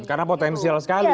karena potensial sekali ya